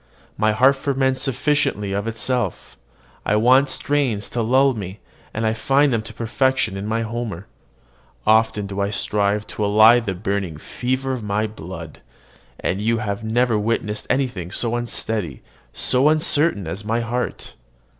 My heart ferments sufficiently of itself. I want strains to lull me, and I find them to perfection in my Homer. Often do I strive to allay the burning fever of my blood; and you have never witnessed anything so unsteady, so uncertain, as my heart.